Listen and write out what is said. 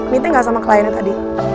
minta gak sama kliennya tadi